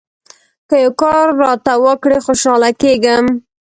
که یو کار راته وکړې ، خوشاله کېږم.